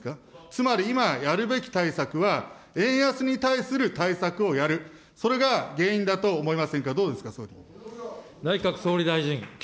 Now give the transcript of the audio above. つまり、今、やるべき対策は、円安に対する対策をやる、それが原因だと思いませんか、どうですか、総理。